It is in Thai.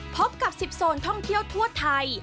พบกับ๑๐โซนท่องเที่ยวทั่วไทย